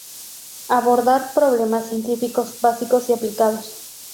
Abordar problemas científicos básicos y aplicados.